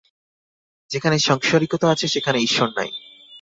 যেখানে সাংসারিকতা আছে, সেখানে ঈশ্বর নাই।